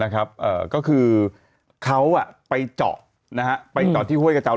ก็คือเขาไปเจาะไปเจาะที่ห้วยกระเจ้า